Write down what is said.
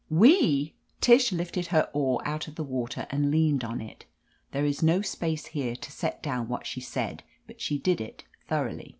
Tish lifted her oar out of the water and leaned on it. There is no space here to set down what she said, but she did it thoroughly.